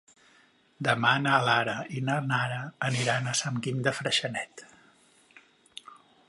Demà na Lara i na Nara aniran a Sant Guim de Freixenet.